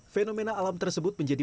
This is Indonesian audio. fenomena alam tersebut menjadi